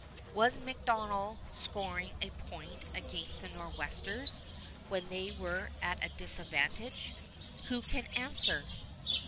Was MacDonell scoring a point against the Nor'westers, when they were at a disadvantage? Who can answer?